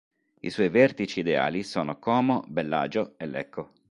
I suoi vertici ideali sono Como, Bellagio e Lecco.